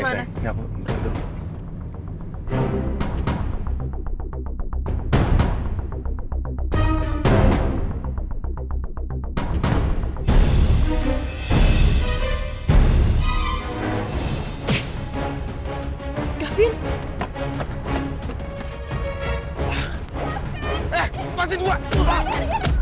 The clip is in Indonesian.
iya sayang ya aku nunggu dulu